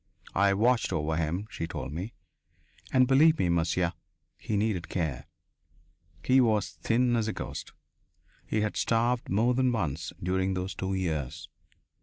"I watched over him," she told me. "And believe me, monsieur, he needed care! He was thin as a ghost. He had starved more than once during those two years.